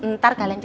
ntar kalian cek